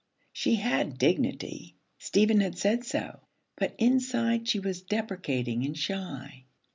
She had dignity; Stephen had said so; but inside she was deprecating and shy.